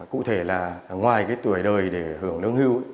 cụ thể là ngoài tuổi đời để hưởng lương hưu